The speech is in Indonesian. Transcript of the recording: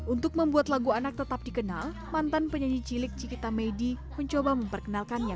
untuk membuat lagu anak tetap dikenal mantan penyanyi cilik cikita maidi mencoba memperkenalkannya